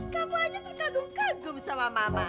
kamu aja terkagum kagum sama mama